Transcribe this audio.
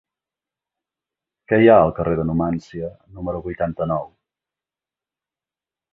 Què hi ha al carrer de Numància número vuitanta-nou?